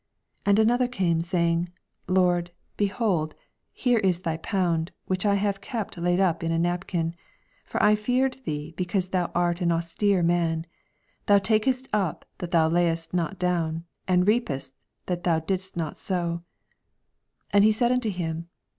20 And another came, saying. Lord, behold, here is thy pound, which 1 have kept laid up in a napsin : 21 For I feared thee, because thou art an austere man : thou takest up that thou layedst not down, and reapest that thou didst not sow. 22 And he saith unto him.